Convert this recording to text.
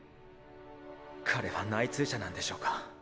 彼は内通者なんでしょうか？